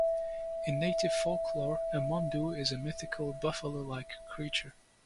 In native folklore, a Mondou is a mythical buffalo-like creature.